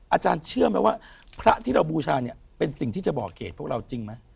อาจารย์เชื่อไหมว่าพระที่เราบูชาเนี่ยเป็นสิ่งที่จะบอกเกรดพวกเราจริงไหม